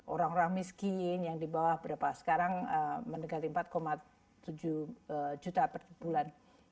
orang orang miskin yang di bawah berapa sekarang mendekati empat tujuh juta per bulan